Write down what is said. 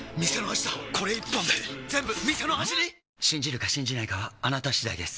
信じるか信じないかはあなた次第です